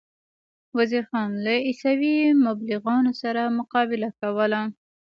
وزیر خان له عیسوي مبلغانو سره مقابله کوله.